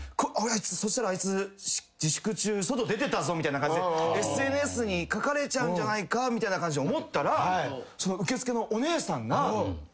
そしたらあいつ自粛中外出てたぞみたいな感じでＳＮＳに書かれちゃうんじゃないかみたいな感じで思ったら。